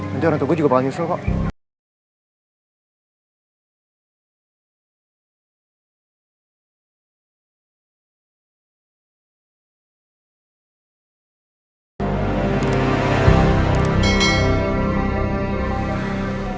nanti orang tua gua juga bakal nyusul kok